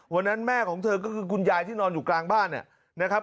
วันนั้นแม่ของเธอก็คือคุณยายที่นอนอยู่กลางบ้านนะครับ